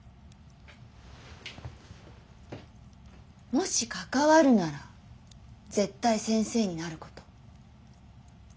もし関わるなら絶対先生になること。